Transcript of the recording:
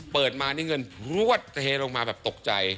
เปิดมานี่เงินรวดเทลงมาแบบตกใจ